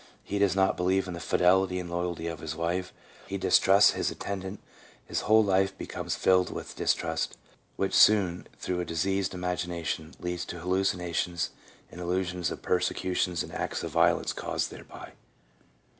He does not believe in the fidelity and loyalty of his wife, he dis trusts his attendant : his whole life becomes filled with distrust, which soon, through a diseased imagination, leads to hallucinations and illusions of persecutions and acts of violence caused thereby.